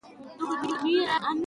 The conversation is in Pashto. موږ بايد يو دبل سره حسد و نه کړو